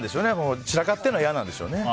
散らかってるのは嫌なんでしょうね。